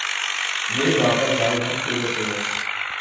یہ اضافہ ضیاء الحق کی وجہ سے ہوا؟